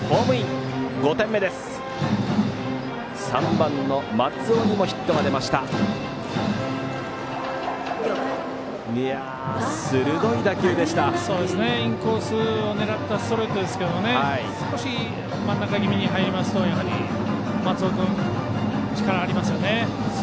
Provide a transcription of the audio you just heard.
インコースを狙ったストレートですけど少し、真ん中気味に入りますとやはり松尾君、力ありますよね。